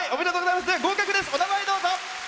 お名前、どうぞ。